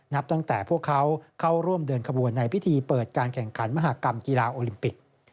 นับตั้งแต่พวกเขาเข้าร่วมเดินขบวนในพิธีเปิดการแข่งขันมหากรรมกีฬาโอลิมปิก